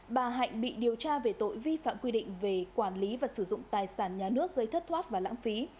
bà hạnh bị điều tra về tội vi phạm quy định về quản lý và sử dụng tài sản nhà nước gây thất thoát và lãng phí